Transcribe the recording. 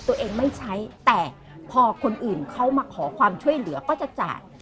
ตัวเองไม่ใช้แต่พอคนอื่นเขามาขอความช่วยเหลือก็จะจ่าย